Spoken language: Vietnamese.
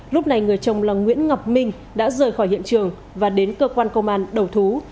lúc này người chồng là nguyễn ngọc minh đã rời khỏi hiện trường và đến cơ quan công an đầu thú